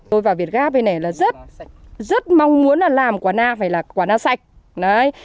tôi vào việt gáp với này là rất rất mong muốn là làm quả na phải là quả na sạch đấy